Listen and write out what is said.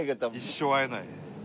一生会えない。